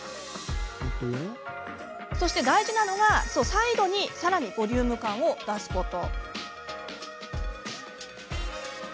そして大事なのが、サイドにさらにボリューム感を出すこと。